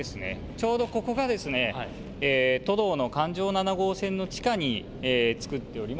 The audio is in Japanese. ちょうどここが都道の環状七号線の地下につくっております